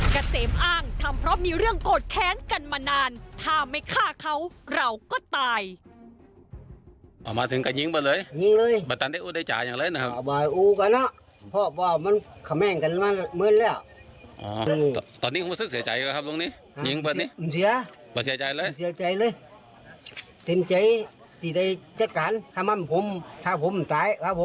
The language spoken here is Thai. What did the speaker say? เกษมอ้างทำเพราะมีเรื่องโกรธแค้นกันมานานถ้าไม่ฆ่าเขาเราก็ตาย